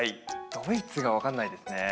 ドイツがわからないですね。